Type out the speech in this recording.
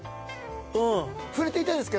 うん触れていたいですか？